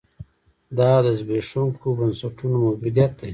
دا د زبېښونکو بنسټونو موجودیت دی.